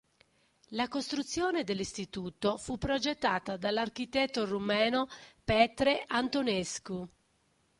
La costruzione dell'Istituto fu progettata dall'architetto rumeno Petre Antonescu.